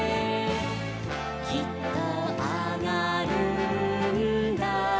「きっとあがるんだ」